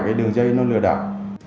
cái đường dây nó lừa đảo